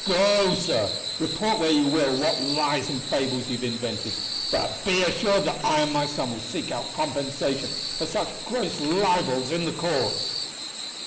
Go, sir, report where you will what lies and fables you have invented; but be assured that I and my son will seek our compensation for such gross libels in the courts."